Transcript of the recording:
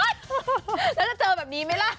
แล้วจะเจอแบบนี้ไหมล่ะ